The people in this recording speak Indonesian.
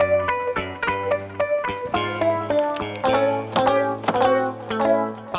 jangan beli pakaian